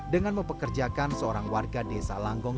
dengan mempekerjakan seorang warga desa langgong